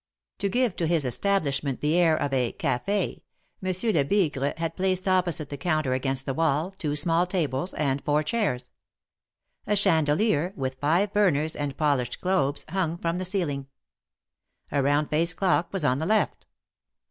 To give to his establishment the air of a Caf§, Monsieur Lebigre had placed opposite the counter against the wall, two small tables and four chairs. A chandelier, with five burners and polished globes, hung from the ceiling. A round faced clock was on the left.